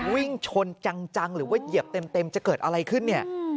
วิ่งชนจังหรือว่าเหยียบเต็มจะเกิดอะไรขึ้นเนี่ย